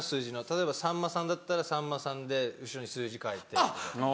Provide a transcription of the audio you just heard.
例えばさんまさんだったら「さんまさん」で後ろに数字書いてみたいな。